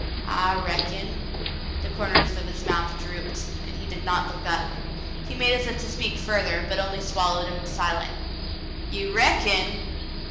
"I reckon." The corners of his mouth drooped, and he did not look up. He made as if to speak further, but only swallowed and was silent. *'Ye reckon.''